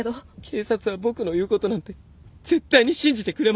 警察は僕の言うことなんて絶対に信じてくれません。